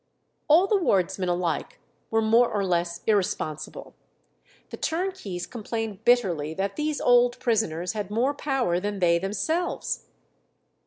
All the wardsmen alike were more or less irresponsible. The turnkeys complained bitterly that these old prisoners had more power than they themselves.